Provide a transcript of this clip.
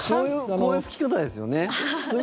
こういう拭き方ですよね。